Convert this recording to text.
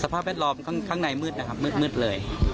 ภาพแวดล้อมข้างในมืดนะครับมืดเลย